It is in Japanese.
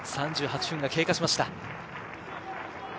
３８分が経過しました。